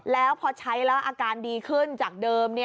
แล้วพอใช้แล้วอาการดีขึ้นจากเดิม